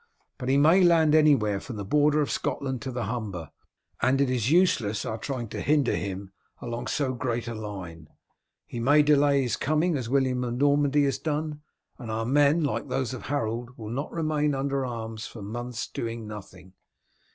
But he may land anywhere from the border of Scotland to the Humber, and it is useless our trying to hinder him along so great a line. He may delay his coming as William of Normandy has done, and our men, like those of Harold, will not remain under arms for months doing nothing.